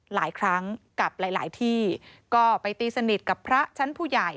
หลายครั้งกับหลายที่ก็ไปตีสนิทกับพระชั้นผู้ใหญ่